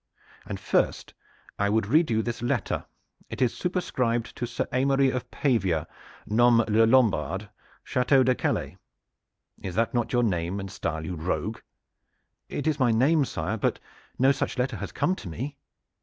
And first I would read you this letter. It is superscribed to Sir Aymery of Pavia, nomme Le Lombard, Chateau de Calais. Is not that your name and style, you rogue?" "It is my name, sire; but no such letter has come to me."